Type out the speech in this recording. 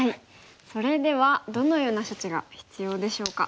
それではどのような処置が必要でしょうか。